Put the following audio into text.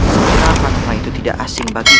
kenapa rumah itu tidak asing bagiku